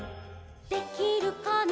「できるかな」